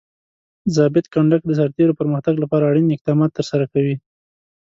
ضابط کنډک د سرتیرو پرمختګ لپاره اړین اقدامات ترسره کوي.